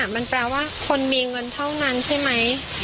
มันแปลว่าคนมีเงินเท่านั้นใช่ไหม